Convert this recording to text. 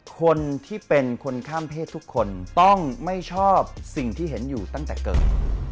คนที่เป็นคนข้ามเพศทุกคนต้องไม่ชอบสิ่งที่เห็นอยู่ตั้งแต่เกิด